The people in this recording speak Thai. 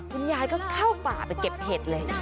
คุณยายก็เข้าป่าไปเก็บเห็ดเลย